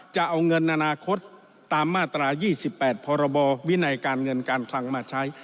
จะเอาเงินอนาคตตามมาตรา๒๘พรบวินัยการเงินการคลังมาใช้